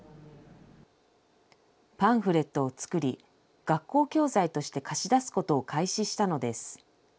パンフレットを作り、学校教材として貸し出すことを開始したのです。